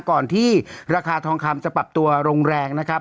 ก่อนที่ราคาทองคำจะปรับตัวลงแรงนะครับ